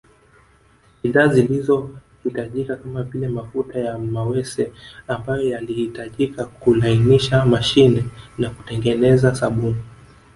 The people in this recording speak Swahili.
Bidhaa zilizo hitajika kamavile mafuta ya mawese ambayo yalihitajika kulainisha mashine na kutengeneza sabuni